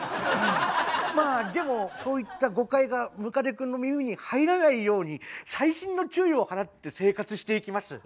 まあでもそういった誤解がムカデ君の耳に入らないように細心の注意を払って生活していきます。